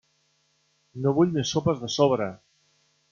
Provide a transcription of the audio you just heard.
No vull més sopes de sobre.